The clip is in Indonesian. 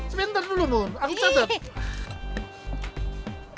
sebentar dulu mun aku catet